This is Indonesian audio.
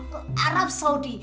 ke arab saudi